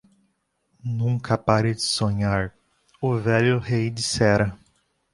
"Nunca pare de sonhar?" o velho rei dissera.